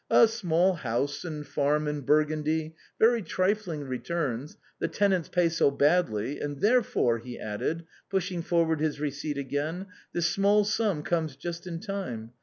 A small house and farm in Burgundy ; very trifling returns ; the tenants pay so badly, and therefore," he added, pushing forward his receipt again, "this small sum comes just in time.